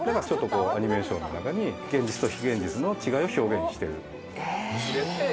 アニメーションの中に現実と非現実の違いを表現している。